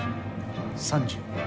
３０。